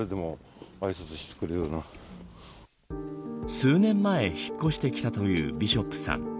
数年前、引っ越してきたというビショップさん。